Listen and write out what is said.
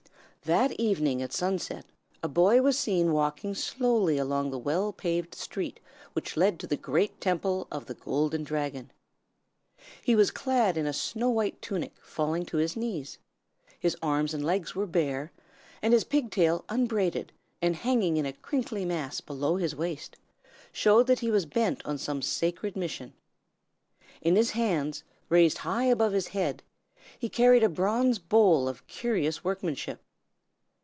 That evening, at sunset, a boy was seen walking slowly along the well paved street which led to the great temple of the Golden Dragon. He was clad in a snow white tunic falling to his knees; his arms and legs were bare; and his pig tail, unbraided and hanging in a crinkly mass below his waist, showed that he was bent on some sacred mission. In his hands, raised high above his head, he carried a bronze bowl of curious workmanship.